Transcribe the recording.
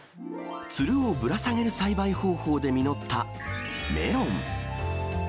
つるをぶら下げる栽培方法で実ったメロン。